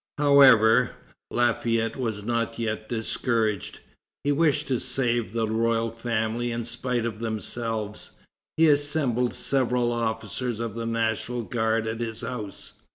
However, Lafayette was not yet discouraged. He wished to save the royal family in spite of themselves. He assembled several officers of the National Guard at his house.